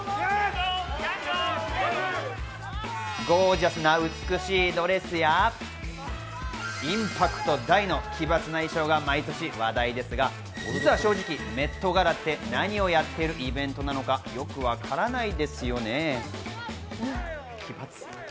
ゴージャスな美しいドレスやインパクト大の奇抜な衣装が毎年話題ですが、いざ正直、ＭＥＴガラって何をやっているイベントなのか、よくわからないですよね。